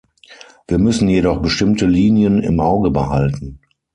Wir müssen jedoch bestimmte Linien im Auge behalten.